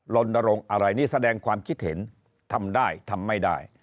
ลนรงค์อะไรนี่แสดงความคิดเห็นทำได้ทำไม่ได้